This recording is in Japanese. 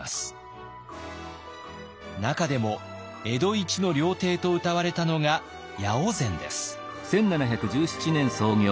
中でも江戸一の料亭とうたわれたのが八百善です。